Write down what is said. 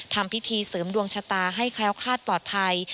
ทำพิธีเสริมดวงชะตาให้แคล้วคาดปลอดภัย